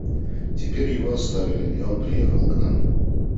Теперь его отставили, и он приехал к нам.